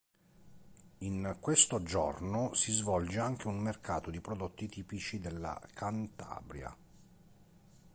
In questo giorno si svolge anche un mercato di prodotti tipici della Cantabria.